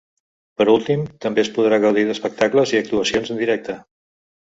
Per últim, també es podrà gaudir d’espectacles i actuacions en directe.